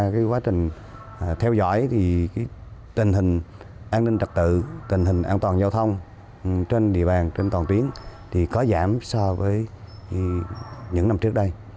cái quá trình theo dõi thì tình hình an ninh trật tự tình hình an toàn giao thông trên địa bàn trên toàn tuyến thì có giảm so với những năm trước đây